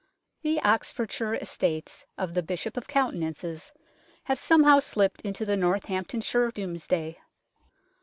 The Oxfordshire estates of the Bishop of Coutances have somehow slipped into the Northamptonshire Domesday.